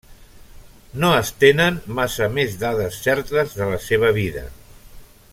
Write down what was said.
No es tenen massa més dades certes de la seva vida.